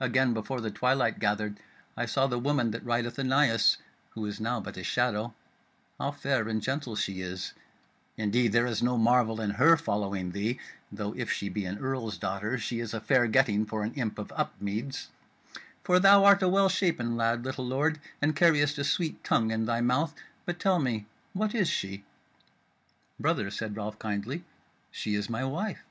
Again, before the twilight gathered I saw the woman that rideth anigh us (who is now but a shadow) how fair and gentle she is: indeed there is no marvel in her following thee (though if she be an earl's daughter she is a fair getting for an imp of Upmeads), for thou art a well shapen lad, little lord, and carriest a sweet tongue in thy mouth. But tell me, what is she?" "Brother," said Ralph kindly, "she is my wife."